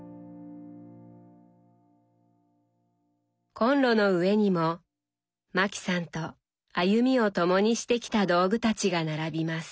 コンロの上にもマキさんと歩みを共にしてきた道具たちが並びます。